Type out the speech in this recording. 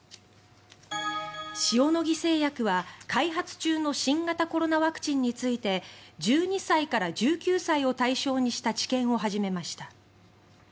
塩野義製薬は、開発中の新型コロナワクチンについて１２歳から１９歳を対象にした治験を始めました。